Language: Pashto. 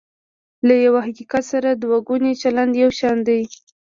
له یوه حقیقت سره دوه ګونی چلند یو شان دی.